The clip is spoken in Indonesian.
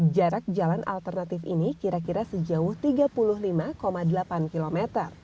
jarak jalan alternatif ini kira kira sejauh tiga puluh lima delapan km